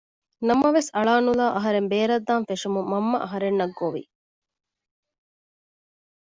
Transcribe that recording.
ނަމަވެސް އަޅަނުލައި އަހަރެން ބޭރަށްދާން ފެށުމުން މަންމަ އަހަރެންނަށް ގޮވި